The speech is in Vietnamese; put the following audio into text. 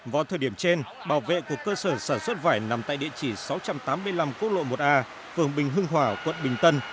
vào thời điểm trên bảo vệ của cơ sở sản xuất vải nằm tại địa chỉ sáu trăm tám mươi năm quốc lộ một a phường bình hưng hòa quận bình tân